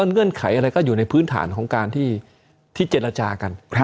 เงื่อนไขอะไรก็อยู่ในพื้นฐานของการที่เจรจากัน